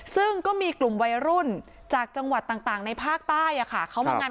ซึ่งก็มีกลุ่มวัยรุ่นจากจังหวัดต่างในภาคใต้เขามางาน